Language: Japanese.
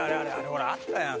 ほらあったやん。